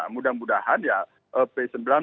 mudah mudahan ya p sembilan puluh